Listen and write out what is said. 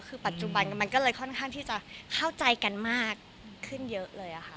คือปัจจุบันมันก็เลยค่อนข้างที่จะเข้าใจกันมากขึ้นเยอะเลยค่ะ